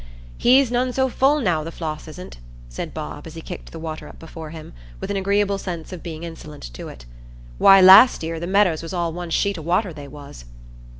"He's none so full now, the Floss isn't," said Bob, as he kicked the water up before him, with an agreeable sense of being insolent to it. "Why, last 'ear, the meadows was all one sheet o' water, they was."